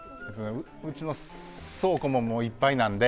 うちの倉庫ももういっぱいなので。